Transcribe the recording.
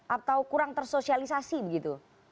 atau kurang tersosialisasi gitu